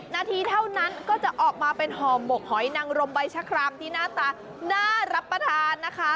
นาทีเท่านั้นก็จะออกมาเป็นห่อหมกหอยนังรมใบชะครามที่หน้าตาน่ารับประทานนะคะ